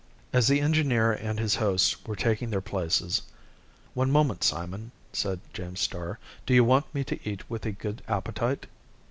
As the engineer and his hosts were taking their places: "One moment, Simon," said James Starr. "Do you want me to eat with a good appetite?"